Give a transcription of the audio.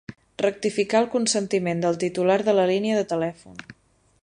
Rectificar el consentiment del titular de la línia de telèfon.